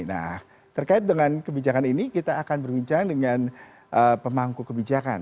nah terkait dengan kebijakan ini kita akan berbincang dengan pemangku kebijakan